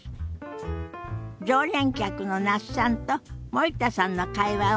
常連客の那須さんと森田さんの会話を見てみましょ。